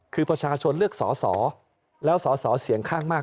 คือประชาชนเลือกสอสอแล้วสอสอเสียงข้างมาก